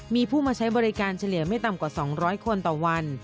มีผู้มาใช้บริการเฉลี่ยไม่ต่ำกว่า๒๐๐คนต่อวัน